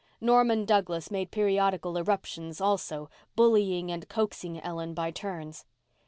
Norman Douglas made periodical irruptions also, bullying and coaxing Ellen by turns.